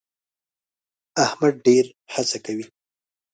احمد ډېر هڅه کوي.